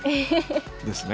ですね。